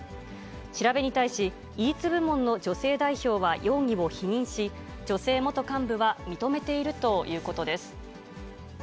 調べに対し、イーツ部門の女性代表は容疑を否認し、女性元幹部は認めているということです。